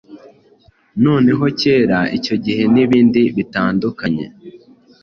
noneho Kera icyo gihe nibindi bitandukanye